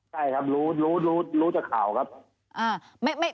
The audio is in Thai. ใช่ครับรู้รู้จากข่าวครับ